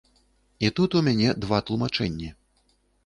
І тут у мяне два тлумачэнні.